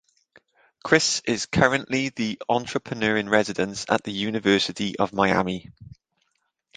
Kriss is currently the Entrepreneur in Residence at the University of Miami.